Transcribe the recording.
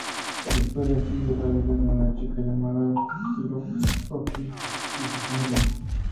La historia sigue la vida de una chica llamada Willow O'Keefe y su familia.